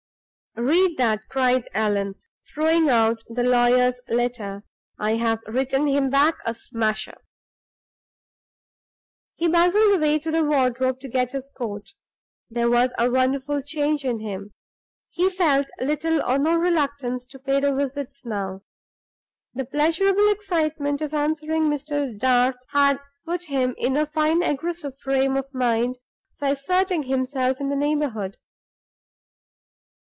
"Read that," cried Allan, throwing out the lawyer's letter; "I've written him back a smasher." He bustled away to the wardrobe to get his coat. There was a wonderful change in him; he felt little or no reluctance to pay the visits now. The pleasurable excitement of answering Mr. Darth had put him in a fine aggressive frame of mind for asserting himself in the neighborhood.